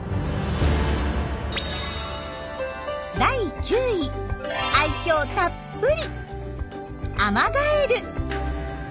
第９位愛きょうたっぷりアマガエル。